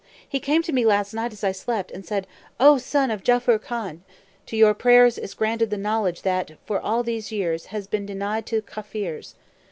] He came to me last night as I slept, and said, 'O son of Jaffur Khan! to your prayers is granted the knowledge that, for all these years, has been denied to Kafirs.